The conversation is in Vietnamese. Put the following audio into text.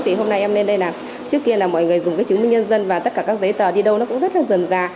thì hôm nay em lên đây là trước kia là mọi người dùng cái chứng minh nhân dân và tất cả các giấy tờ đi đâu nó cũng rất là dần dà